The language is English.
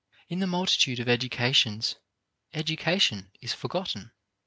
In the multitude of educations education is forgotten.